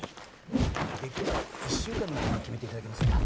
できれば１週間のうちに決めて頂けませんか。